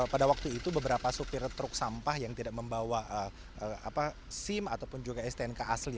pada waktu itu beberapa supir truk sampah yang tidak membawa sim ataupun juga stnk asli